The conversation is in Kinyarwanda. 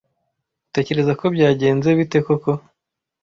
Utekereza ko byagenze bite koko?